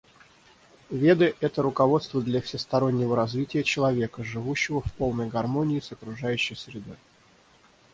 Веды — это руководство для всестороннего развития человека, живущего в полной гармонии с окружающей средой.